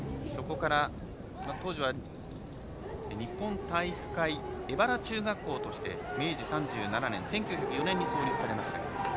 当時は日本体育会荏原中学校として明治３７年１９０７年に創設されました。